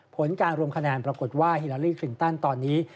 ผลการรวมคะแนนปรากฏว่าฮิลาลีคลินตันตอนนี้